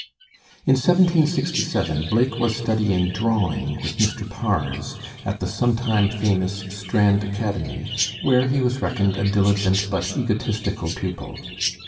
[Illustration: William Blake] In 1767 Blake was studying drawing with Mr. Pars, at the sometime famous Strand Academy, where he was reckoned a diligent but egotistical pupil.